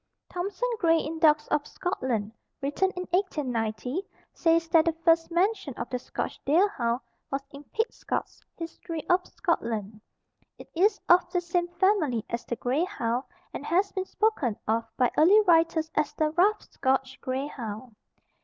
Thompson Gray in "Dogs of Scotland," written in 1890, says that the first mention of the Scotch deer hound was in "Pitcotts History of Scotland." It is of the same family as the grey hound and has been spoken of by early writers as the Rough Scotch Grey Hound.